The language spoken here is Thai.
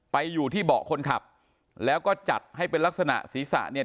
ไปอยู่ที่เบาะคนขับแล้วก็จัดให้เป็นลักษณะศีรษะเนี่ย